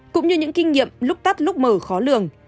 cũng như những kinh nghiệm lúc tắt lúc mở khó lường